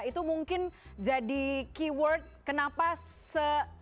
itu mungkin jadi keyword kenapa se